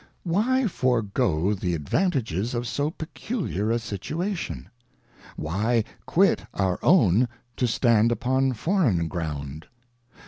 ŌĆö Why forego the advantages of so peculiar a situation ? ŌĆö Why quit our own to stand upon foreign ground